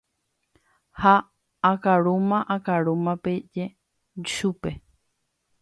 ha akarúma akarúma peje chupe.